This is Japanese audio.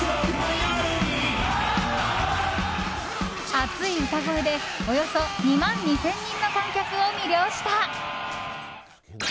熱い歌声でおよそ２万２０００人の観客を魅了した。